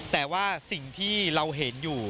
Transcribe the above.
แต่ว่าสิ่งที่เราเห็นอยู่